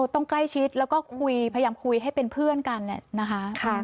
ต้องใกล้ชิดแล้วก็คุยพยายามคุยให้เป็นเพื่อนกันเนี่ยนะคะ